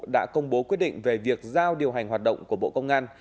đã công bố quyết định về việc giao điều hành hoạt động của bộ công an